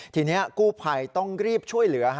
ทีนี้กู้ภัยต้องรีบช่วยเหลือ